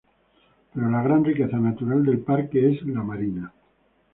Pero la gran riqueza natural del parque es la marina.